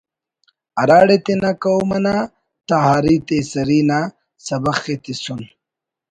ہرا ڑے تینا قوم انا تہاری تے ایسری نا سبخ ءِ تسن